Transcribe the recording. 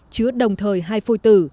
chứa đồng thời hai phôi tử